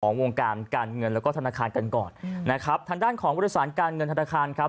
วงการการเงินแล้วก็ธนาคารกันก่อนนะครับทางด้านของบริษัทการเงินธนาคารครับ